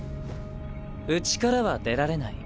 内からは出られない。